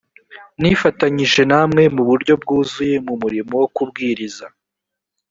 nifatanyije namwe mu buryo bwuzuye mu murimo wo kubwiriza